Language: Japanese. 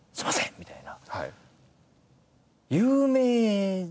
みたいな。